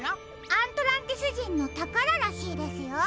アントランティスじんのたかららしいですよ。